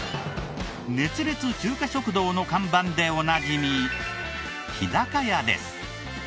「熱烈中華食堂」の看板でおなじみ。